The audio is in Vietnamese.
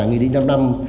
nghị định năm năm